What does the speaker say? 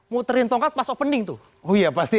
muterin tongkat pas opening tuh oh iya pasti